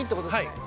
はい。